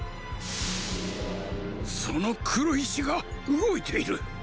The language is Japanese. その黒石が動いている！！